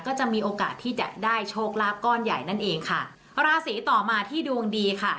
ก็จะมีโอกาสที่จะได้โชคลาภก้อนใหญ่นั่นเองค่ะราศีต่อมาที่ดวงดีค่ะ